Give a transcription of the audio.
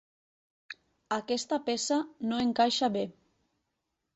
Aquesta peça no encaixa bé.